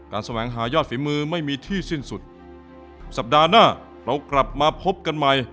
แสวงหายอดฝีมือไม่มีที่สิ้นสุดสัปดาห์หน้าเรากลับมาพบกันใหม่